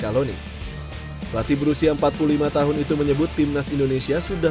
saya ingin memberi pengetahuan kepada para pemain timnas indonesia